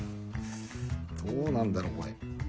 どうなんだろうこれ？